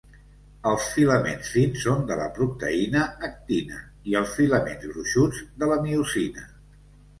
Els filaments fins són de la proteïna actina i els filaments gruixuts de la miosina.